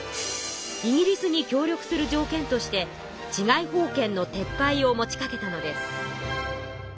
イギリスに協力する条件として治外法権の撤廃を持ちかけたのです。